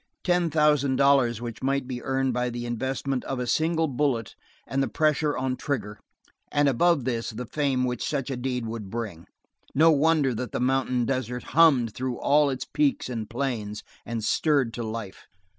Ten thousand dollars which might be earned by the investment of a single bullet and the pressure on trigger; and above this the fame which such a deed would bring no wonder that the mountain desert hummed through all its peaks and plains, and stirred to life.